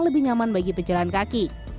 lebih nyaman bagi pejalan kaki